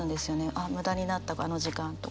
「あっ無駄になったあの時間」とか。